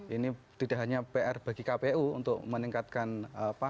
ini tidak hanya pr bagi kpu untuk meningkatkan apa